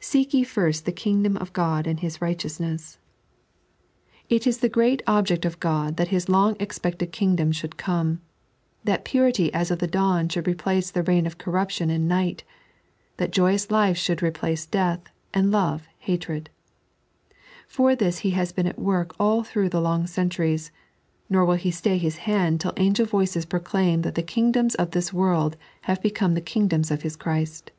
"Seek ye first the kingdom of Ood and His righteousness." It is the great object of Ood that His 3.n.iized by Google 162 The Lesson op Birds and Flowers. loDg expected Kingdom should come ; that purity as of the ilnwii Hhould replace the reign of corruption and night; that joyous life should replace death, and love hatred. For this He has been at work all through the long centuries, nor will He stay TTjb hand till angel volceti proclaim that the kingdoms of this world have become the kingdoms of His Christ.